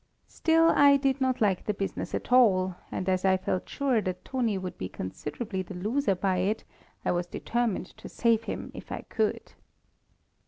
Still, I did not like the business at all, and as I felt sure that Toni would be considerably the loser by it, I was determined to save him if I could.